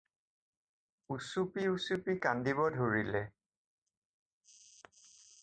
উচুপি উচুপি কান্দিব ধৰিলে।